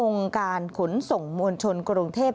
องค์การขุนส่งมวลชนกรงเทพ